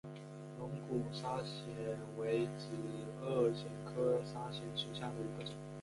龙骨砂藓为紫萼藓科砂藓属下的一个种。